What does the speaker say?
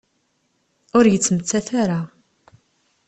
Ur yettmettat ara.